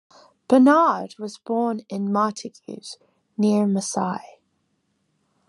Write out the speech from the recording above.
Bernard was born in Martigues, near Marseille.